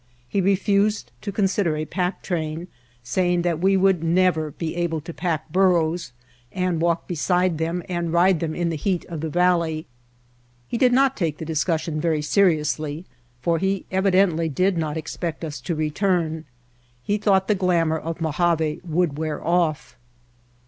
He refused to consider a pack train, saying that we would never be able to pack bur White Heart of Mojave ros, and walk beside them and ride them in the heat of the valley. He did not take the discus sion very seriously, for he evidently did not expect us to return. He thought the glamor of Mojave would wear ofif.